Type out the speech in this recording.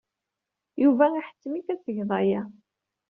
Yuba iḥettem-ik ad tgeḍ aya.